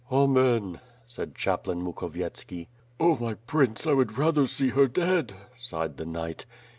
"Amen," said chaplain Mukhovietski. "Oh, my Prince, I would rather see her dead," sighed the knight.